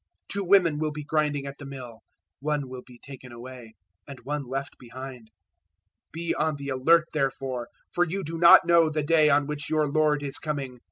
024:041 Two women will be grinding at the mill: one will be taken away, and one left behind. 024:042 Be on the alert therefore, for you do not know the day on which your Lord is coming.